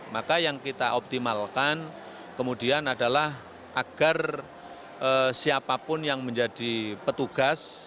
maka yang kita optimalkan kemudian adalah agar siapapun yang menjadi petugas